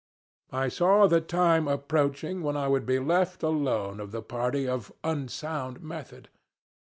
I saw the time approaching when I would be left alone of the party of 'unsound method.'